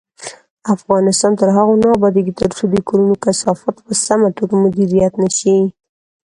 افغانستان تر هغو نه ابادیږي، ترڅو د کورونو کثافات په سمه توګه مدیریت نشي.